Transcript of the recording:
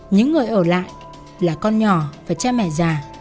những người ở lại là con nhỏ và cha mẹ già